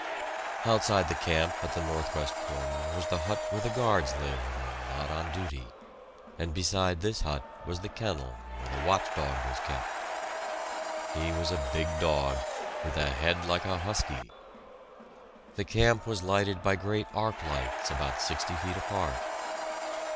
Outside the camp at the northwest corner was the hut where the guards lived when not on duty, and beside this hut was the kennel where the watch dog was kept. He was a big dog, with a head like a husky! The camp was lighted by great arc lights about sixty feet apart.